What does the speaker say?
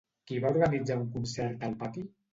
Qui va organitzar un concert al pati?